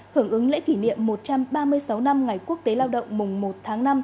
hưởng ứng lễ kỷ niệm một trăm ba mươi sáu năm ngày quốc tế lao động mùng một tháng năm